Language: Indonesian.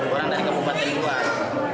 orang dari kabupaten ibuak